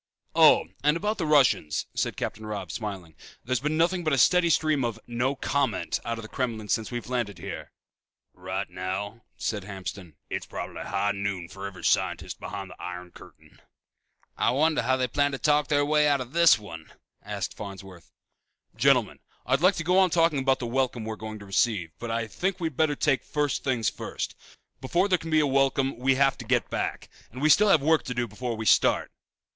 "Oh, and about the Russians," said Captain Robb, smiling. "There's been nothing but a steady stream of 'no comment' out of the Kremlin since we landed here." "Right now," said Hamston, "it's probably high noon for every scientist behind the iron curtain." "I wonder how they plan to talk their way out of this one?" asked Farnsworth. "Gentlemen, I'd like to go on talking about the welcome we're going to receive, but I think we'd better take first things first. Before there can be a welcome we have to get back. And we still have work to do before we start."